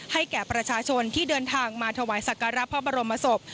แก่ประชาชนที่เดินทางมาถวายสักการะพระบรมศพ